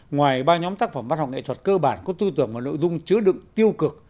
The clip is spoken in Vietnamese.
ngoài ba nhóm tác phẩm văn học nghệ thuật cơ bản có tư tưởng và nội dung chứa đựng tiêu cực